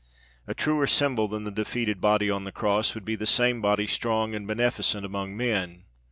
A truer symbol than the defeated body on the cross would be the same body strong and beneficent among men.